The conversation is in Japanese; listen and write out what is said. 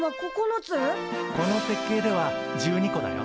この設計では１２個だよ。